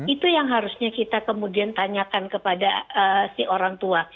itu yang harusnya kita kemudian tanyakan kepada si orang tua